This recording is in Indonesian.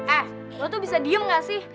eh gue tuh bisa diem gak sih